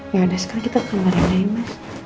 yaudah sekarang kita ke kamar rena